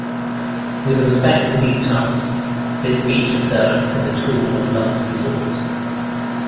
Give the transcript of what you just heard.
With respect to these tasks, this feature serves as a tool of last resort.